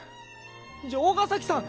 城ヶ崎さん